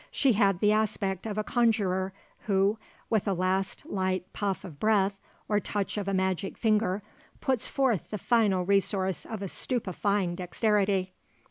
She had the aspect of a conjuror who, with a last light puff of breath or touch of a magic finger, puts forth the final resource of a stupefying dexterity.